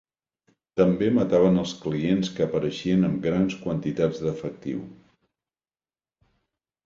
També mataven els clients que apareixien amb grans quantitats d'efectiu.